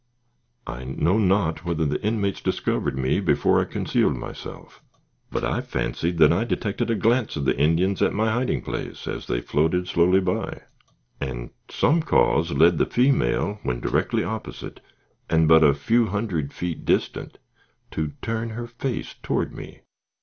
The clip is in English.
I know not whether the inmates discovered me before I concealed myself, but I fancied I detected a glance of the Indians at my hiding place, as they floated slowly by, and some cause led the female, when directly opposite, and but a few hundred feet distant, to turn her face toward me.